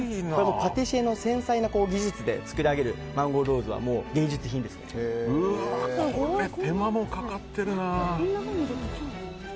パティシエの繊細な技術で作り上げるマンゴーローズは手間もかかってるな。